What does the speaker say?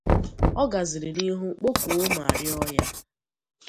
Ọ gazịrị n'ihu kpọkuo ma rịọ ya